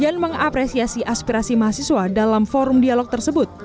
jan mengapresiasi aspirasi mahasiswa dalam forum dialog tersebut